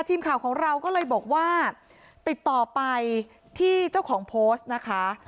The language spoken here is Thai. ทีมข่าวของเราก็เลยบอกว่าติดต่อไปที่เจ้าของโพสต์นะคะ